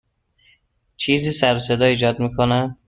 چیزی سر و صدا ایجاد می کند.